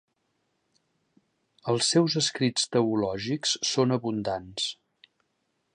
Els seus escrits teològics són abundants.